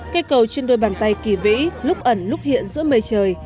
cây cầu trên đôi bàn tay kỳ vĩ lúc ẩn lúc hiện giữa mây trời